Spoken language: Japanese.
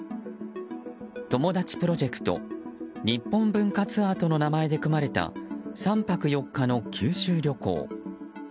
ともだちプロジェクト日本文化ツアーとの名前で組まれた３泊４日の九州旅行。